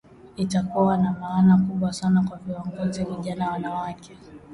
Itakuwa na maana kubwa sana kwa viongozi vijana wanawake